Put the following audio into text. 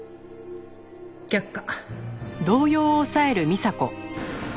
却下。